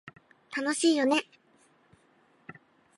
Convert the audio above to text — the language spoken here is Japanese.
楽しいよね